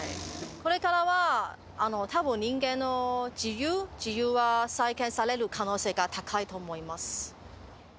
これからはたぶん、人間の自由、自由は制限される可能性が高いと思います。